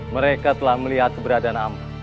mereka telah melihat keberadaan amar